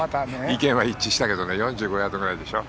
意見は一致したけど４５ヤードぐらいでしょ。